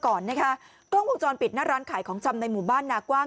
ก่อนนะคะกล้องวงจรปิดหน้าร้านขายของชำในหมู่บ้านนากว้าง